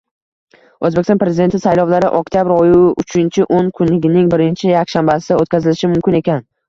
Oʻzbekistonda Prezident saylovlari oktyabr oyi uchinchi oʻn kunligining birinchi yakshanbasida oʻtkazilishi mumkin ekan.